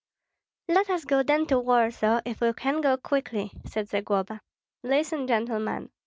"Let us go then to Warsaw, if we can go quickly," said Zagloba. "Listen, gentlemen!